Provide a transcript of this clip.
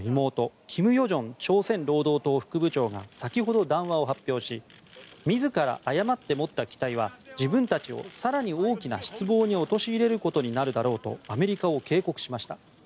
朝鮮労働党副部長が先ほど談話を発表し自ら誤って持った期待は自分たちを更に大きな失望に陥れることになるだろうとアメリカを警告しました。